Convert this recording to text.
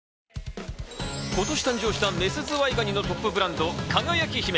今年、誕生したメスズワイガニのトップブランド「輝姫」。